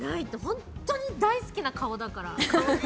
本当に大好きな顔だから。